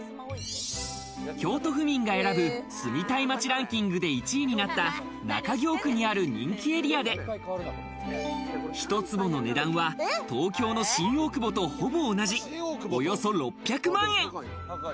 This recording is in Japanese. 京都府民が選ぶ住みたい街ランキングで１位になった中京区にある人気エリアで、１坪の値段は東京の新大久保とほぼ同じ、およそ６００万円。